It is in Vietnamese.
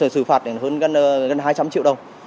xử phạt đến hơn gần hai trăm linh triệu đồng